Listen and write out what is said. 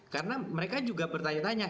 karena mereka juga bertanya tanya